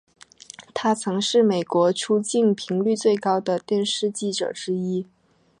他曾是美国出境频率最高的电视记者之一。